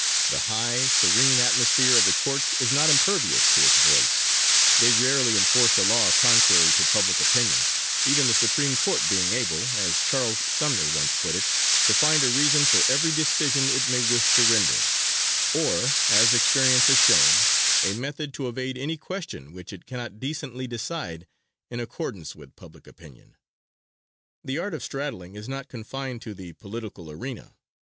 The high, serene atmosphere of the Courts is not impervious to its voice; they rarely enforce a law contrary to public opinion, even the Supreme Court being able, as Charles Sumner once put it, to find a reason for every decision it may wish to render; or, as experience has shown, a method to evade any question which it cannot decently decide in accordance with public opinion. The art of straddling is not confined to the political arena.